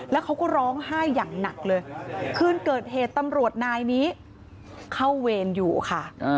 แล้วเขาก็ร้องไห้อย่างหนักเลยคืนเกิดเหตุตำรวจนายนี้เข้าเวรอยู่ค่ะ